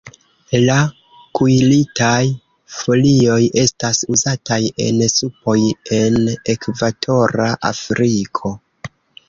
La kuiritaj folioj estas uzataj en supoj en ekvatora Afriko.